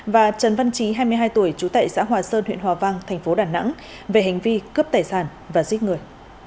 và trần văn trí hai mươi hai tuổi chú tại xã hòa sơn huyện hòa vang tp hcm về hành vi cướp tài sản và giết người